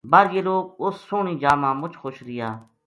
بر یہ لوک اس سوہنی جا ما مچ خوش رہیا